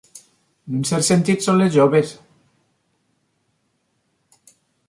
En un cert sentit, són les joves.